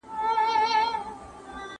ړانده ته شپه او ورځ يوه ده.